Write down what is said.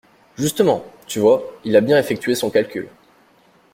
Justement, tu vois, il a bien effectué son calcul.